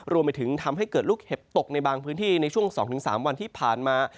รวมไปถึงทำให้เกิดลูกเห็บตกในบางพื้นที่ในช่วง๒๓วันที่ผ่านมา